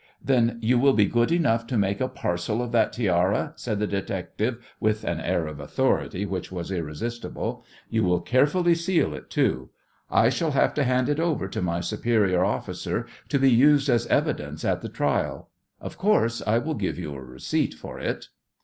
"Then you will be good enough to make a parcel of that tiara," said the "detective," with an air of authority which was irresistible. "You will carefully seal it too. I shall have to hand it over to my superior officer to be used as evidence at the trial. Of course I will give you a receipt for it."